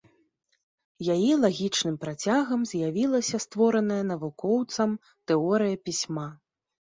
Яе лагічным працягам з'явілася створаная навукоўцам тэорыя пісьма.